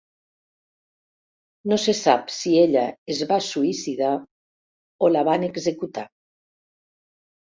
No se sap si ella es va suïcidar o la van executar.